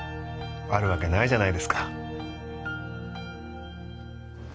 あるわけないじゃないですか。